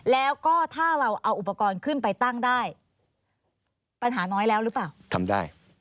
แล้วก็ถ้าเราเอาอุปกรณ์ขึ้นไปตั้งได้ปัญหาน้อยแล้วหรือเปล่าทำได้